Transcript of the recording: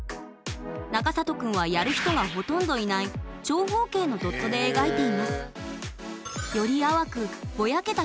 中里くんはやる人がほとんどいない長方形のドットで描いています